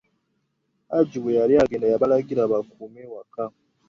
Haji bwe yali agenda, yabalagira bakume awaka.